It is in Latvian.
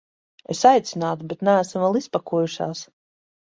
Es aicinātu, bet neesam vēl izpakojušās.